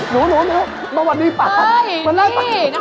หนูมาวันนี้ป่าว